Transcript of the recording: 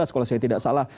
kalau saya tidak salah